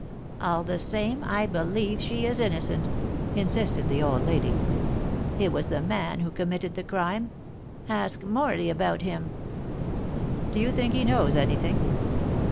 "All the same, I believe she is innocent," insisted the old lady; "it was the man who committed the crime. Ask Morley about him." "Do you think he knows anything?"